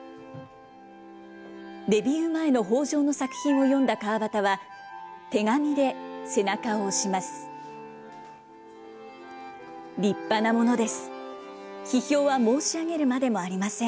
デビュー前の北條の作品を読んだ川端は、手紙で背中を押します。